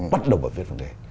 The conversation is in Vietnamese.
bắt đầu vào viết văn đề